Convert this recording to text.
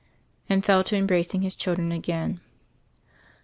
and fell to embracing his children again.